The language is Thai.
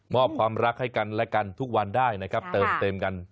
ความรักให้กันและกันทุกวันได้นะครับเติมเต็มกัน